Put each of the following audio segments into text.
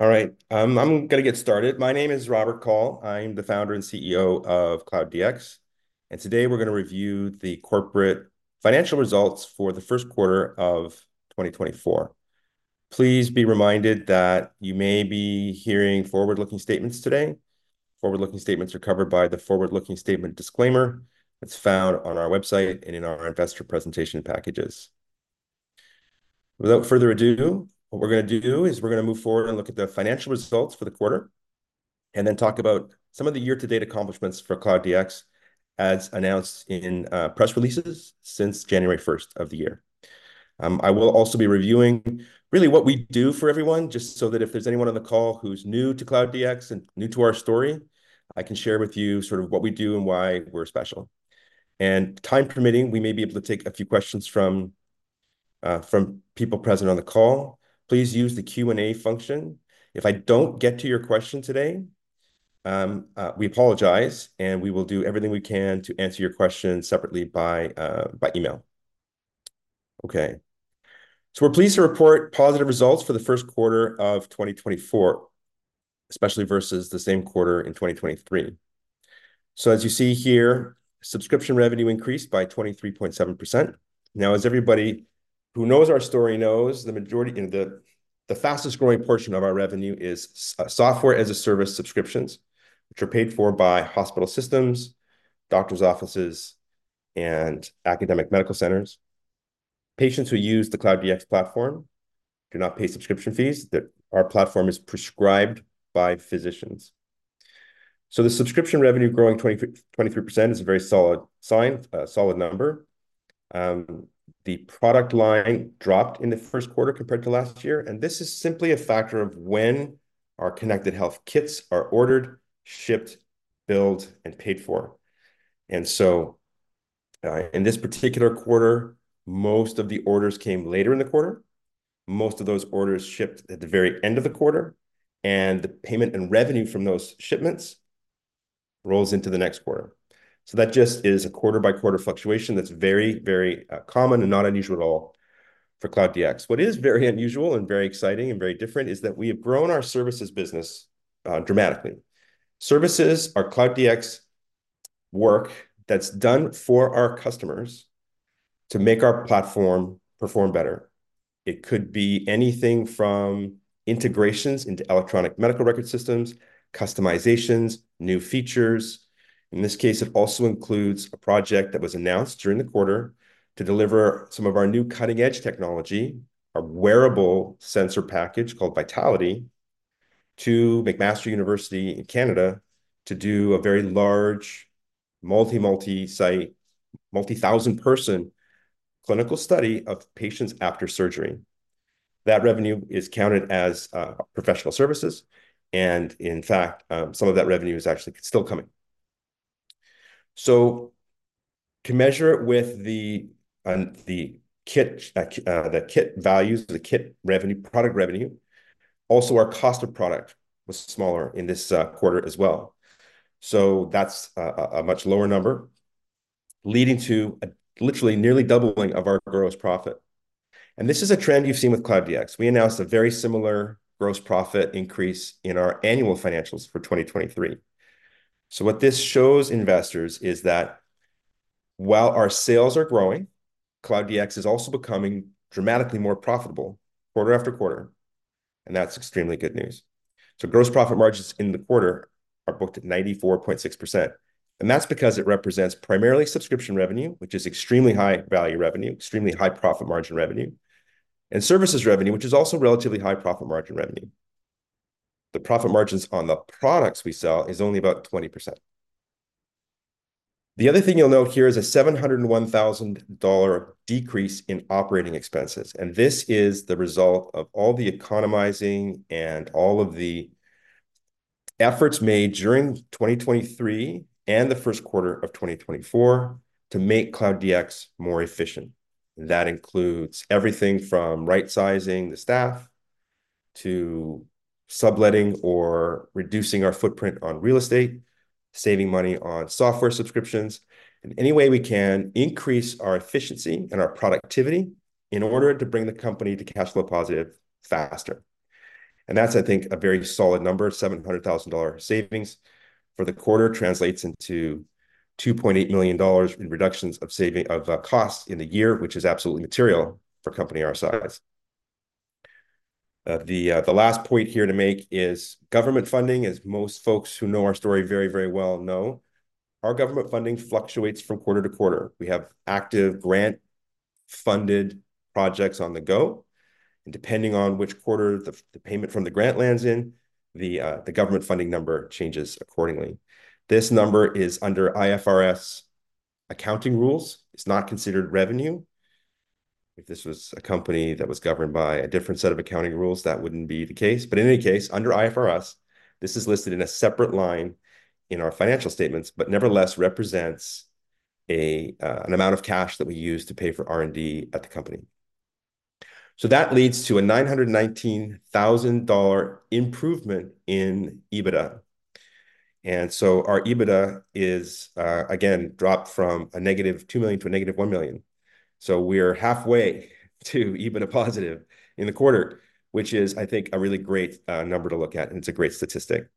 All right, I'm gonna get started. My name is Robert Kaul. I'm the founder and CEO of Cloud DX, and today we're gonna review the corporate financial results for the first quarter of 2024. Please be reminded that you may be hearing forward-looking statements today. Forward-looking statements are covered by the forward-looking statement disclaimer that's found on our website and in our investor presentation packages. Without further ado, what we're gonna do is we're gonna move forward and look at the financial results for the quarter, and then talk about some of the year-to-date accomplishments for Cloud DX, as announced in press releases since January first of the year. I will also be reviewing really what we do for everyone, just so that if there's anyone on the call who's new to Cloud DX and new to our story, I can share with you sort of what we do and why we're special. Time permitting, we may be able to take a few questions from people present on the call. Please use the Q&A function. If I don't get to your question today, we apologize, and we will do everything we can to answer your question separately by email. Okay, we're pleased to report positive results for the first quarter of 2024, especially versus the same quarter in 2023. As you see here, subscription revenue increased by 23.7%. Now, as everybody who knows our story knows, the majority and the fastest-growing portion of our revenue is software-as-a-service subscriptions, which are paid for by hospital systems, doctor's offices, and academic medical centers. Patients who use the Cloud DX platform do not pay subscription fees. Our platform is prescribed by physicians. So the subscription revenue growing 23% is a very solid sign, a solid number. The product line dropped in the first quarter compared to last year, and this is simply a factor of when our Connected Health Kits are ordered, shipped, billed, and paid for. And so, in this particular quarter, most of the orders came later in the quarter. Most of those orders shipped at the very end of the quarter, and the payment and revenue from those shipments rolls into the next quarter. So that just is a quarter-by-quarter fluctuation that's very, very, common and not unusual at all for Cloud DX. What is very unusual, and very exciting and very different is that we have grown our services business, dramatically. Services are Cloud DX work that's done for our customers to make our platform perform better. It could be anything from integrations into electronic medical record systems, customizations, new features. In this case, it also includes a project that was announced during the quarter to deliver some of our new cutting-edge technology, a wearable sensor package called Vitaliti, to McMaster University in Canada, to do a very large, multi-site, multi-thousand-person clinical study of patients after surgery. That revenue is counted as, professional services, and in fact, some of that revenue is actually still coming. So to measure it with the kit values, the kit revenue, product revenue, also, our cost of product was smaller in this, quarter as well. So that's a much lower number, leading to a literally nearly doubling of our gross profit, and this is a trend you've seen with Cloud DX. We announced a very similar gross profit increase in our annual financials for 2023. So what this shows investors is that while our sales are growing, Cloud DX is also becoming dramatically more profitable quarter after quarter, and that's extremely good news. So gross profit margins in the quarter are booked at 94.6%, and that's because it represents primarily subscription revenue, which is extremely high-value revenue, extremely high profit margin revenue, and services revenue, which is also relatively high profit margin revenue. The profit margins on the products we sell is only about 20%. The other thing you'll note here is a 701,000 dollar decrease in operating expenses, and this is the result of all the economizing and all of the efforts made during 2023 and the first quarter of 2024 to make Cloud DX more efficient. That includes everything from right-sizing the staff to subletting or reducing our footprint on real estate, saving money on software subscriptions, and any way we can increase our efficiency and our productivity in order to bring the company to cash flow positive faster. And that's, I think, a very solid number. 700,000 dollar savings for the quarter translates into 2.8 million dollars in reductions of savings of costs in the year, which is absolutely material for a company our size. The last point here to make is government funding, as most folks who know our story very, very well know, our government funding fluctuates from quarter-to-quarter. We have active grant-funded projects on the go, and depending on which quarter the payment from the grant lands in, the government funding number changes accordingly. This number is under IFRS accounting rules. It's not considered revenue. If this was a company that was governed by a different set of accounting rules, that wouldn't be the case. But in any case, under IFRS, this is listed in a separate line in our financial statements but nevertheless represents an amount of cash that we use to pay for R&D at the company. So that leads to a 919,000 dollar improvement in EBITDA. Our EBITDA is, again, dropped from a -2 million to a -1 million. We're halfway to EBITDA positive in the quarter, which is, I think, a really great, number to look at, and it's a great statistic.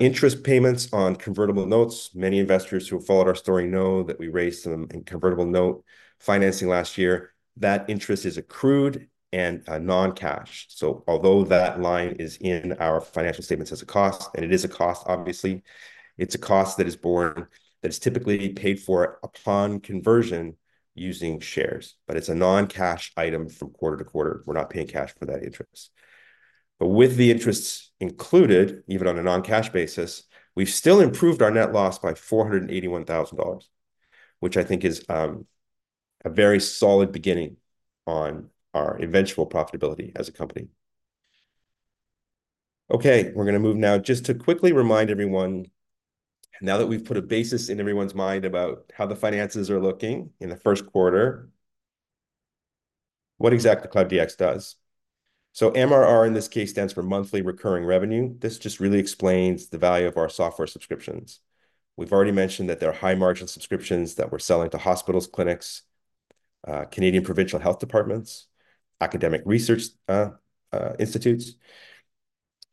Interest payments on convertible notes. Many investors who have followed our story know that we raised some in convertible note financing last year. That interest is accrued and, non-cash. Although that line is in our financial statements as a cost, and it is a cost, obviously, it's a cost that is borne, that is typically paid for upon conversion using shares, but it's a non-cash item from quarter-to-quarter. We're not paying cash for that interest. But with the interest included, even on a non-cash basis, we've still improved our net loss by 481 thousand dollars, which I think is a very solid beginning on our eventual profitability as a company. Okay, we're gonna move now. Just to quickly remind everyone, now that we've put a basis in everyone's mind about how the finances are looking in the first quarter, what exactly Cloud DX does. So MRR, in this case, stands for monthly recurring revenue. This just really explains the value of our software subscriptions. We've already mentioned that there are high-margin subscriptions that we're selling to hospitals, clinics, Canadian provincial health departments, academic research institutes.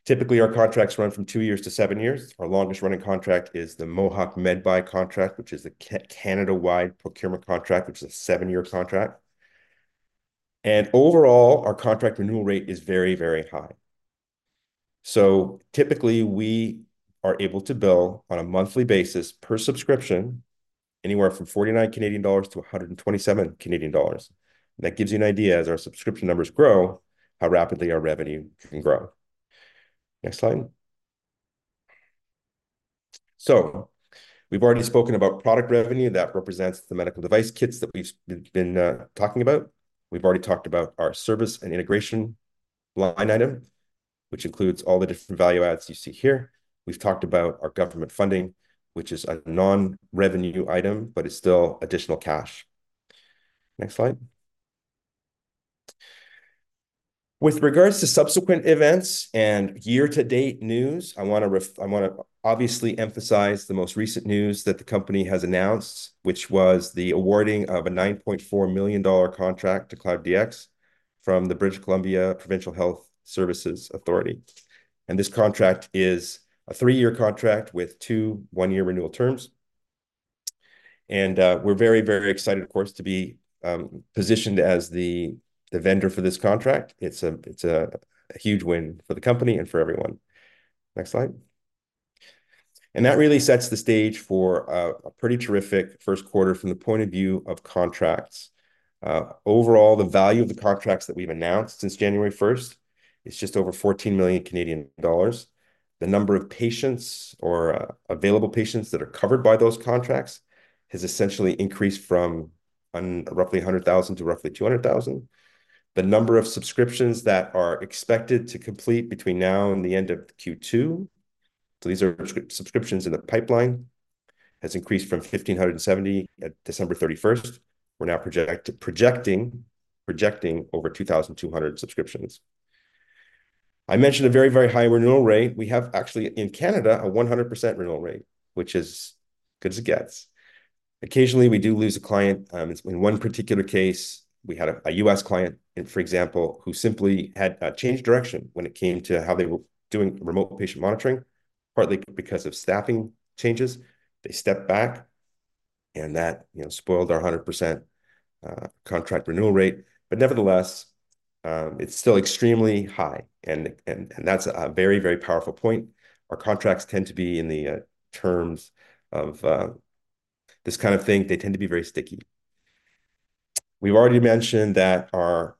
Typically, our contracts run from two years to seven years. Our longest-running contract is the Mohawk Medbuy contract, which is a Canada-wide procurement contract, which is a seven-year contract. Overall, our contract renewal rate is very, very high. So typically, we are able to bill on a monthly basis per subscription, anywhere from 49-127 Canadian dollars. That gives you an idea, as our subscription numbers grow, how rapidly our revenue can grow. Next slide. So we've already spoken about product revenue that represents the medical device kits that we've been talking about. We've already talked about our service and integration line item, which includes all the different value adds you see here. We've talked about our government funding, which is a non-revenue item, but it's still additional cash. Next slide. With regards to subsequent events and year-to-date news, I wanna obviously emphasize the most recent news that the company has announced, which was the awarding of a 9.4 million dollar contract to Cloud DX from the British Columbia Provincial Health Services Authority. This contract is a three-year contract with two one-year renewal terms. And, we're very, very excited, of course, to be positioned as the vendor for this contract. It's a huge win for the company and for everyone. Next slide. That really sets the stage for a pretty terrific first quarter from the point of view of contracts. Overall, the value of the contracts that we've announced since January 1 is just over 14 million Canadian dollars. The number of patients or available patients that are covered by those contracts has essentially increased from roughly 100,000 to roughly 200,000. The number of subscriptions that are expected to complete between now and the end of Q2, so these are subscriptions in the pipeline, has increased from 1,570 at December 31. We're now projecting over 2,200 subscriptions. I mentioned a very, very high renewal rate. We have actually, in Canada, a 100% renewal rate, which is good as it gets. Occasionally, we do lose a client. In one particular case, we had a U.S. client, for example, who simply had changed direction when it came to how they were doing remote patient monitoring, partly because of staffing changes. They stepped back, and that, you know, spoiled our 100% contract renewal rate, but nevertheless, it's still extremely high, and that's a very, very powerful point. Our contracts tend to be in the terms of this kind of thing. They tend to be very sticky. We've already mentioned that our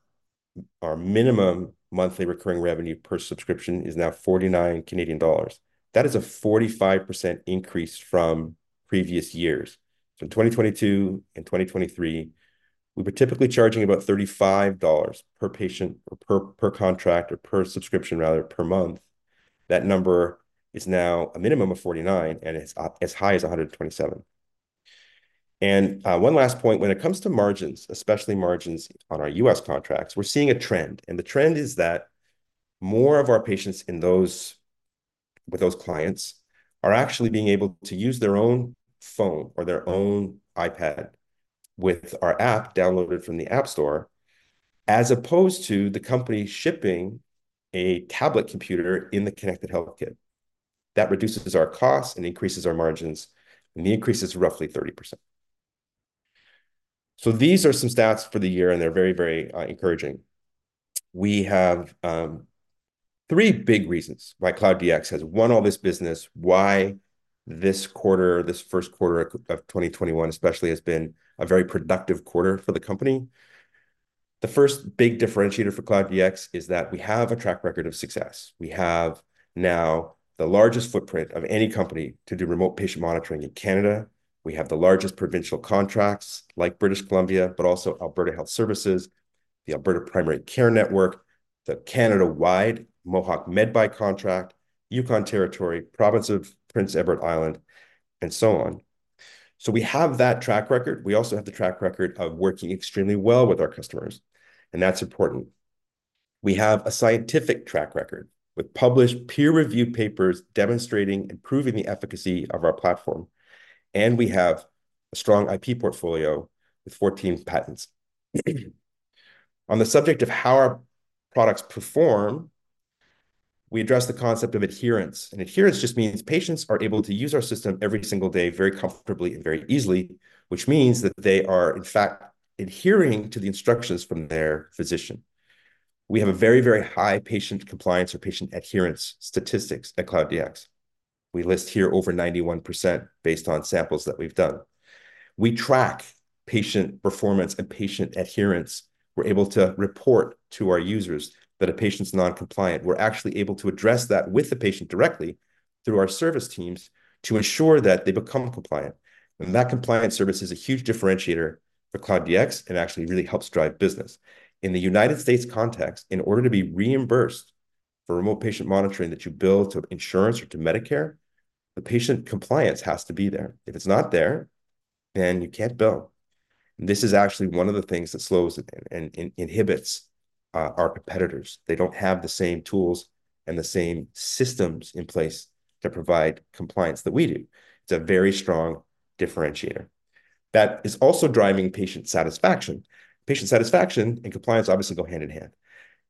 minimum monthly recurring revenue per subscription is now 49 Canadian dollars. That is a 45% increase from previous years. So in 2022 and 2023, we were typically charging about 35 dollars per patient or per contract or per subscription, rather, per month. That number is now a minimum of 49 CAD, and it's up as high as 127 CAD. And, one last point, when it comes to margins, especially margins on our U.S. contracts, we're seeing a trend, and the trend is that more of our patients with those clients are actually being able to use their own phone or their own iPad with our app downloaded from the App Store, as opposed to the company shipping a tablet computer in the Connected Health Kit. That reduces our costs and increases our margins, and the increase is roughly 30%. So these are some stats for the year, and they're very, very, encouraging. We have three big reasons why Cloud DX has won all this business, why this quarter, this first quarter of 2021 especially, has been a very productive quarter for the company. The first big differentiator for Cloud DX is that we have a track record of success. We have now the largest footprint of any company to do remote patient monitoring in Canada. We have the largest provincial contracts, like British Columbia, but also Alberta Health Services, the Alberta Primary Care Network, the Canada-wide Mohawk Medbuy contract, Yukon Territory, Province of Prince Edward Island, and so on. We have that track record. We also have the track record of working extremely well with our customers, and that's important. We have a scientific track record, with published peer-reviewed papers demonstrating and proving the efficacy of our platform, and we have a strong IP portfolio with 14 patents. On the subject of how our products perform, we address the concept of adherence, and adherence just means patients are able to use our system every single day very comfortably and very easily, which means that they are, in fact, adhering to the instructions from their physician. We have a very, very high patient compliance or patient adherence statistics at Cloud DX. We list here over 91% based on samples that we've done. We track patient performance and patient adherence. We're able to report to our users that a patient's non-compliant. We're actually able to address that with the patient directly through our service teams to ensure that they become compliant, and that compliance service is a huge differentiator for Cloud DX, and actually really helps drive business. In the United States context, in order to be reimbursed for remote patient monitoring that you bill to insurance or to Medicare, the patient compliance has to be there. If it's not there, then you can't bill. This is actually one of the things that slows and inhibits our competitors. They don't have the same tools and the same systems in place to provide compliance that we do. It's a very strong differentiator that is also driving patient satisfaction. Patient satisfaction and compliance obviously go hand in hand,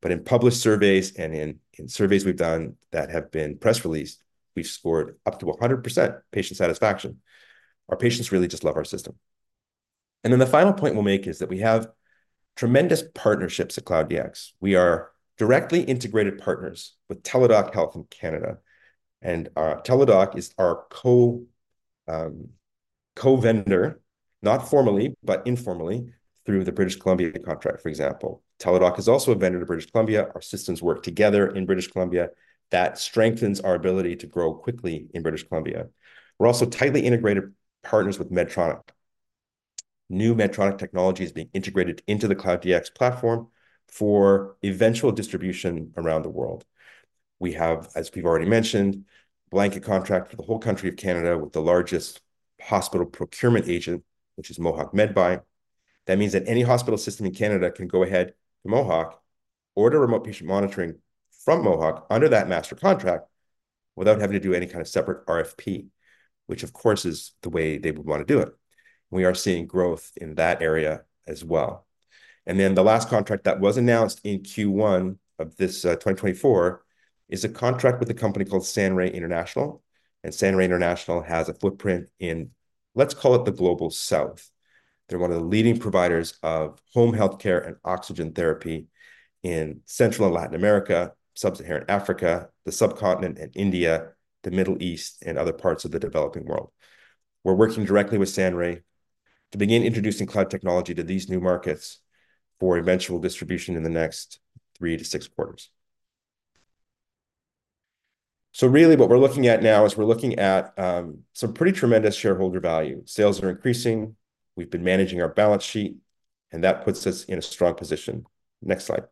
but in published surveys and in surveys we've done that have been press-released, we've scored up to 100% patient satisfaction. Our patients really just love our system. And then the final point we'll make is that we have tremendous partnerships at Cloud DX. We are directly integrated partners with Teladoc Health in Canada, and Teladoc is our co-vendor, not formally, but informally, through the British Columbia contract, for example. Teladoc is also a vendor to British Columbia. Our systems work together in British Columbia. That strengthens our ability to grow quickly in British Columbia. We're also tightly integrated partners with Medtronic. New Medtronic technology is being integrated into the Cloud DX platform for eventual distribution around the world. We have, as we've already mentioned, a blanket contract for the whole country of Canada with the largest hospital procurement agent, which is Mohawk Medbuy. That means that any hospital system in Canada can go ahead to Mohawk, order remote patient monitoring from Mohawk under that master contract, without having to do any kind of separate RFP, which of course, is the way they would want to do it. We are seeing growth in that area as well. And then the last contract that was announced in Q1 of this 2024, is a contract with a company called Sunray International, and Sunray International has a footprint in, let's call it the Global South. They're one of the leading providers of home healthcare and oxygen therapy in Central and Latin America, Sub-Saharan Africa, the subcontinent and India, the Middle East, and other parts of the developing world. We're working directly with Sunray to begin introducing cloud technology to these new markets for eventual distribution in the next 3-6 quarters. So really, what we're looking at now is some pretty tremendous shareholder value. Sales are increasing. We've been managing our balance sheet, and that puts us in a strong position. Next slide.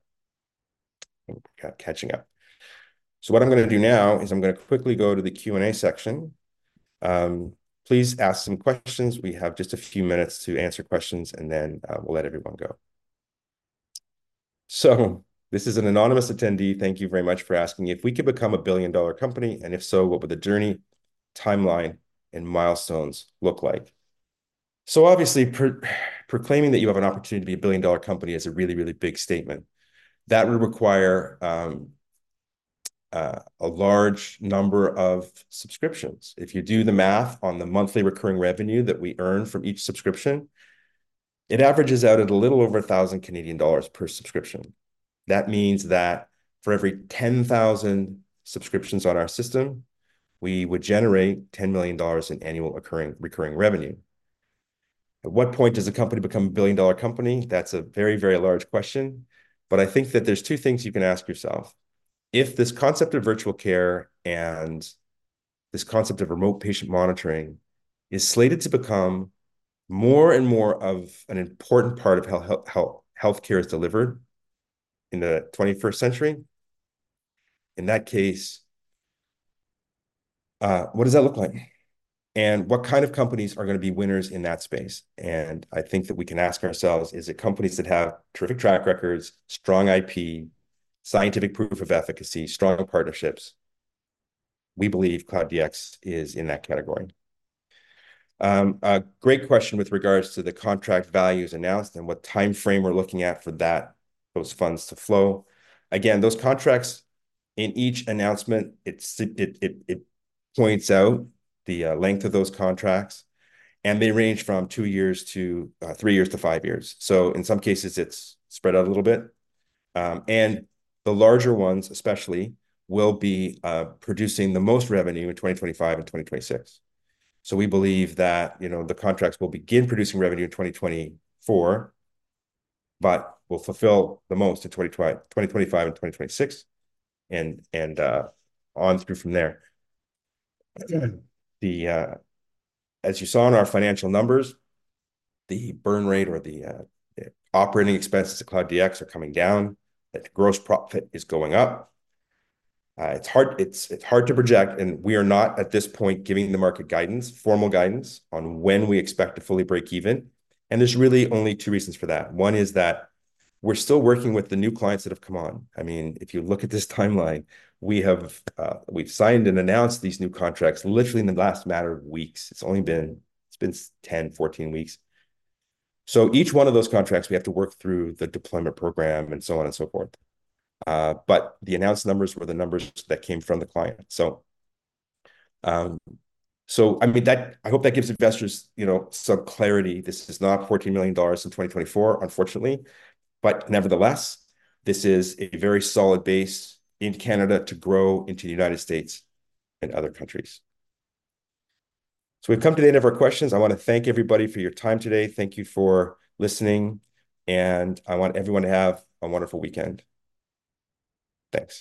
We're catching up. So what I'm gonna do now is I'm gonna quickly go to the Q&A section. Please ask some questions. We have just a few minutes to answer questions, and then we'll let everyone go. So this is an anonymous attendee. Thank you very much for asking. If we could become a billion-dollar company, and if so, what would the journey, timeline, and milestones look like? So obviously, proclaiming that you have an opportunity to be a billion-dollar company is a really, really big statement. That would require a large number of subscriptions. If you do the math on the monthly recurring revenue that we earn from each subscription, it averages out at a little over 1,000 Canadian dollars per subscription. That means that for every 10,000 subscriptions on our system, we would generate 10 million dollars in annual recurring revenue. At what point does a company become a billion-dollar company? That's a very, very large question, but I think that there's two things you can ask yourself. If this concept of virtual care and this concept of remote patient monitoring is slated to become more and more of an important part of how healthcare is delivered in the 21st century, in that case, what does that look like? And what kind of companies are gonna be winners in that space? And I think that we can ask ourselves, is it companies that have terrific track records, strong IP, scientific proof of efficacy, strong partnerships? We believe Cloud DX is in that category. A great question with regards to the contract values announced and what timeframe we're looking at for that, those funds to flow. Again, those contracts, in each announcement, it points out the length of those contracts, and they range from 2 years to 3 years to 5 years. So in some cases, it's spread out a little bit, and the larger ones, especially, will be producing the most revenue in 2025 and 2026. So we believe that, you know, the contracts will begin producing revenue in 2024, but will fulfill the most in 2025 and 2026, and on through from there. As you saw in our financial numbers, the burn rate or the operating expenses to Cloud DX are coming down, that the gross profit is going up. It's hard, it's hard to project, and we are not, at this point, giving the market guidance, formal guidance on when we expect to fully break even, and there's really only two reasons for that. One is that we're still working with the new clients that have come on. I mean, if you look at this timeline, we have, we've signed and announced these new contracts literally in the last matter of weeks. It's only been, it's been 10 weeks, 14 weeks. So each one of those contracts, we have to work through the deployment program and so on and so forth. But the announced numbers were the numbers that came from the client. So, I mean, that I hope that gives investors, you know, some clarity. This is not 14 million dollars in 2024, unfortunately, but nevertheless, this is a very solid base in Canada to grow into the United States and other countries. So we've come to the end of our questions. I want to thank everybody for your time today. Thank you for listening, and I want everyone to have a wonderful weekend. Thanks.